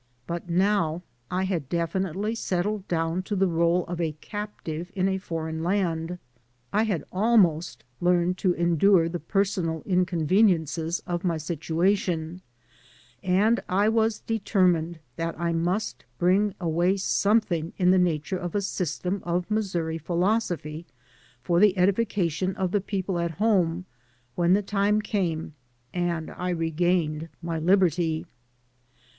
But now I had definitely settled down to the rdle of a captive in a foreign land; I had almost learned to endure the personal inconveniences of my situation; and I was determined that I must bring away something in the nature of a system of Missouri philosophy for the edification of the people at home when the time came and I regained my liberty.